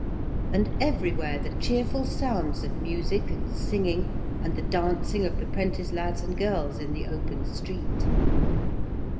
And everywhere the cheerful sounds of music and singing and the dancing of the prentice lads and girls in the open street.